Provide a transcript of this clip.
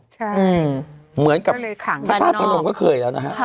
ใช่เขาเลยขังบ้านนอกเหมือนกับพระศาสตร์พระนมก็เคยแล้วนะฮะ